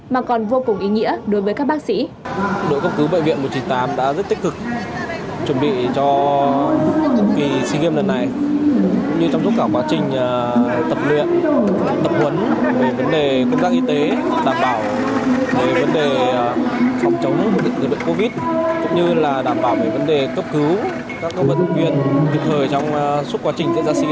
mà còn vô cùng ý nghĩa đối với các bác sĩ